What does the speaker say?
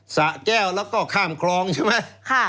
สะแก้วแล้วก็ข้ามคลองใช่ไหม